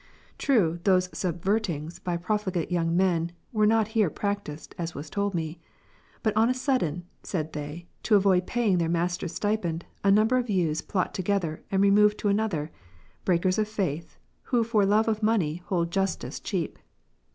True, those "subvertings'""by profligate young men, were not here prac tised, as was told me : but on a sudden, said they, to avoid paying their master's stipend, a number of youths plot toge ther, and remove to another ;— breakers of faith, who for love of money hold justice cheap.